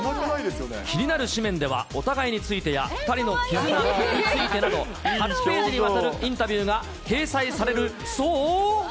気になる誌面では、お互いについてや２人の絆についてなど、８ページにわたるインタビューが掲載されるそう。